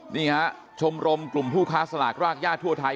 นี่ฮะชมรมกลุ่มผู้ค้าสลากรากย่าทั่วไทย